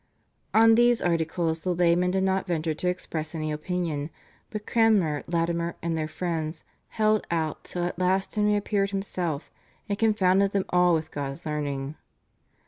On these Articles the laymen did not venture to express any opinion, but Cranmer, Latimer and their friends held out till at last Henry appeared himself and "confounded them all with God's learning."